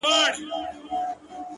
اوس مي له هري لاري پښه ماته ده،